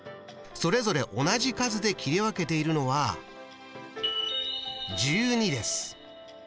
それぞれ同じ数で切り分けているのは１２です。